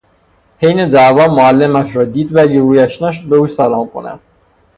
حین دعوا معلمش را دید ولی رویش نشد به او سلام کند.